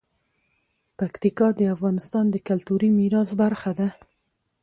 پکتیکا د افغانستان د کلتوري میراث برخه ده.